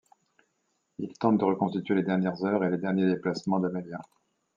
Ils tentent de reconstituer les dernières heures et les derniers déplacements d'Amelia...